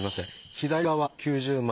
左側９０万。